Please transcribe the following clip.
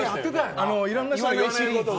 いろんな人が言わないことを。